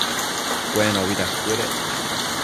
Cuenobi dacuëdec